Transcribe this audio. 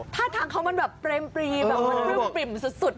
ภาษาเขามันแบบเป็นปรีมสุด